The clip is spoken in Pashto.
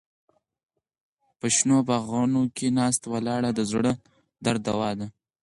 په شنو باغونو کې ناسته ولاړه د زړه درد دوا ده.